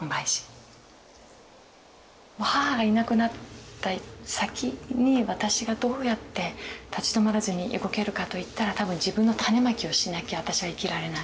母がいなくなった先に私がどうやって立ち止まらずに動けるかといったら多分自分の種まきをしなきゃ私は生きられない。